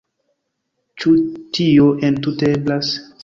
Ĉu tio entute eblas?